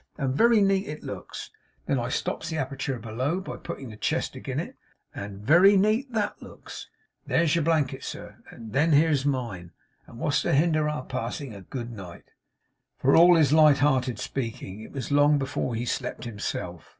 And very neat it looks. Then I stops the aperture below, by putting the chest agin it. And very neat THAT looks. Then there's your blanket, sir. Then here's mine. And what's to hinder our passing a good night?' For all his light hearted speaking, it was long before he slept himself.